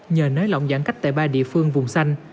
nhờ nới lỏng giãn cách tại ba địa phương vùng xanh